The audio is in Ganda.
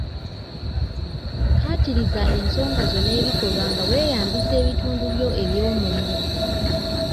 Kkaatiriza ensongazo n'ebikolwa nga weeyambisa ebitundubyo eby'omubiri.